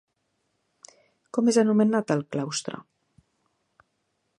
Com és anomenat el claustre?